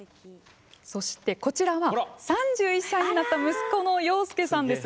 そして、こちらは３１歳になった息子の洋輔さんです。